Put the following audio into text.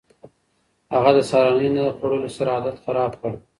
هغه د سهارنۍ نه خوړلو سره عادت خراب کړ.